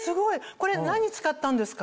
これ何使ったんですか？